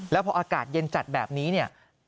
แล้วพออากาศเย็นจัดแบบนี้เนี่ย